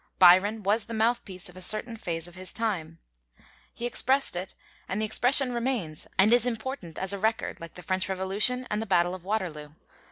Byron was the mouthpiece of a certain phase of his time. He expressed it, and the expression remains and is important as a record, like the French Revolution and the battle of Waterloo.